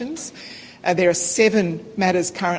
dan ada tujuh hal yang sedang diperlukan